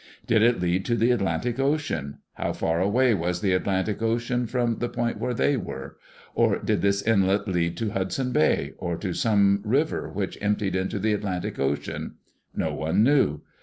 Did it lead to the Atlantic Ocean? How far away was the Atlantic Ocean from the point where they were? Or did this inlet lead to Hudson Bay, or to some river which emptied into the Atlantic Ocean? No one knew.